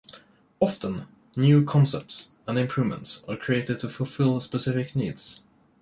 Often, new concepts and improvements are created to fulfill specific needs.